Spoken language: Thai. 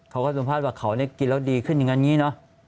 เขาก็สัมภาษณ์ว่าเขานี่กินแล้วดีขึ้นอย่างนั้นอย่างนี้นะ